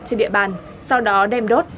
trên địa bàn sau đó đem đốt